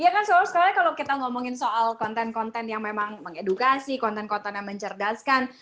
iya kan selalu sekali kalau kita ngomongin soal konten konten yang memang mengedukasi konten konten yang mencerdaskan